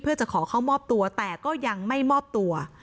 เพื่อจะขอเข้ามอบตัวแต่ก็ยังไม่มอบตัว